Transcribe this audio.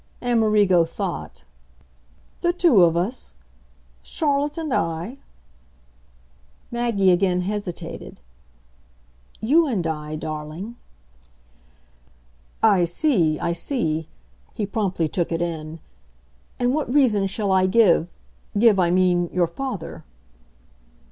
Amerigo thought. "The two of us? Charlotte and I?" Maggie again hesitated. "You and I, darling." "I see, I see" he promptly took it in. "And what reason shall I give give, I mean, your father?"